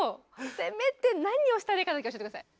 せめて何をしたらいいかだけ教えて下さい。